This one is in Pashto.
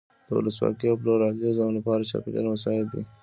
د ولسواکۍ او پلورالېزم لپاره چاپېریال مساعد دی.